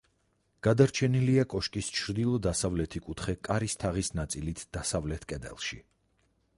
გადარჩენილია კოშკის ჩრდილო-დასავლეთი კუთხე კარის თაღის ნაწილით დასავლეთ კედელში.